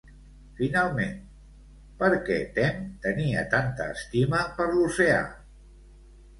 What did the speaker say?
Finalment, per què Temme tenia tanta estima per l'oceà?